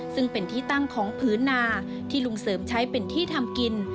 ซึ่งเป็นที่ตั้งของพื้นนาที่ลุงเสริมใช้เป็นที่ทำกิน